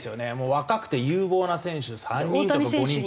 若くて有望な選手３人とか５人とか。